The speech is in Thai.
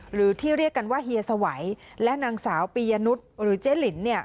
หรือที่เรียกกันว่าเฮียสวัยและนางสาวปียนุษย์หรือเจ๊ลินเนี่ย